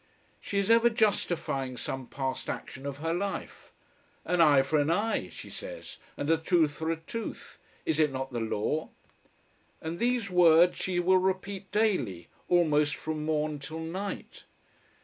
She is ever justifying some past action of her life. "An eye for an eye," she says, "and a tooth for a tooth. Is it not the law?" And these words she will repeat daily, almost from morn till night.